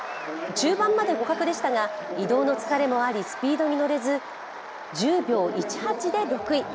中盤まで互角でしたが、移動の疲れもありスピードに乗れず、１０秒１８で６位。